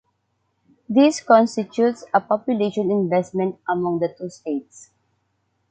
This constitutes a population investment among the two states.